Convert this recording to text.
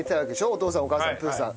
お父さんお母さんプーさん。